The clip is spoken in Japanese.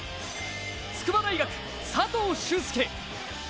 筑波大学・佐藤隼輔。